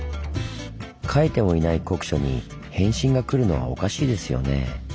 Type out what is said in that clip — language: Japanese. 書いてもいない国書に返信が来るのはおかしいですよね？